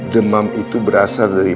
demam itu berasal dari